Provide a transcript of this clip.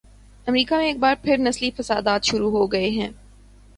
امریکہ میں ایک بار پھر نسلی فسادات شروع ہوگئے ہیں۔